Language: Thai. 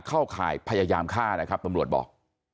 ข่ายพยายามฆ่านะครับตำรวจบอก